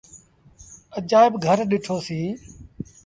اجآئيب گھر ڏٺو سيٚݩ۔